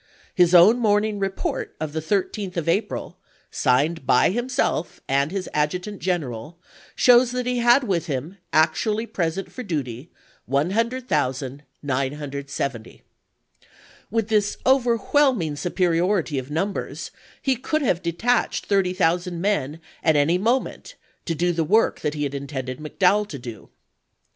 His own morning report of the 13th of April, signed by himself and his adjutant general, vS: xi., shows that he had with him actually present for ^^^97!^' duty 100,970. With this overwhelming superiority of numbers he could have detached thu'ty thousand men at any moment to do the work that he had intended McDowell to do.